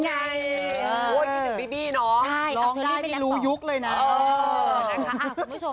โอ้ยดีถึงบี้บี้เนาะร้องได้ที่รู้ยุคเลยนะเออ